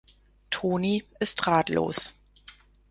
Toni ist ratlos.